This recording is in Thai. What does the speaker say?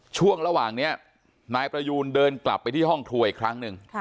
ช่วงระหว่างนี้นายประยูนเดินกลับไปที่ห้องครัวอีกครั้งหนึ่ง